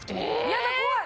やだ怖い！